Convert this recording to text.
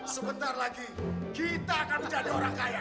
sebentar lagi kita akan menjadi orang kaya